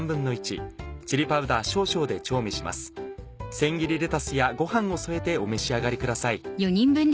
千切りレタスやご飯を添えてお召し上がりください。